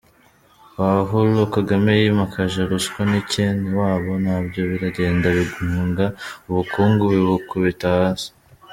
Pahulo Kagame yimakaje ruswa n’icyenewabo, nabyo biragenda bimunga ubukungu bibukubita hasi.